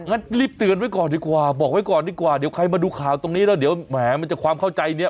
งั้นรีบเตือนไว้ก่อนดีกว่าบอกไว้ก่อนดีกว่าเดี๋ยวใครมาดูข่าวตรงนี้แล้วเดี๋ยวแหมมันจะความเข้าใจเนี่ย